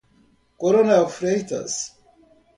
Coronel Freitas